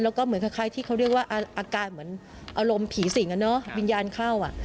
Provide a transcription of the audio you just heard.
แล้วก็เหมือนคล้ายที่เขาเรียกว่าอาการเหมือนอารมณ์ผีสิงอ่ะเนอะวิญญาณเข้าอ่ะ